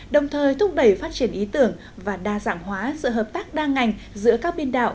đồng thời thúc đẩy phát triển ý tưởng và đa dạng hóa sự hợp tác đa ngành giữa các biên đạo